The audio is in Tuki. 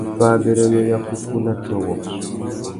Fá abérénô ya kúkú na tiô wôō.